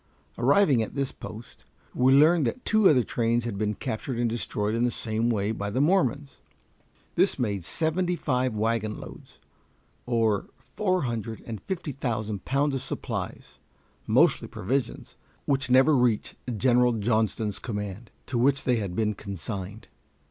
Arriving at this post, we learned that two other trains had been captured and destroyed in the same way by the Mormons. This made seventy five wagonloads, or four hundred and fifty thousand pounds of supplies, mostly provisions, which never reached General Johnston's command, to which they had been consigned.